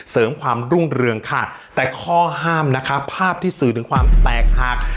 เสริมความรุ่งเรืองค่ะแต่ข้อห้ามนะคะภาพที่สื่อถึงความแตกหัก